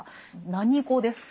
何語ですか？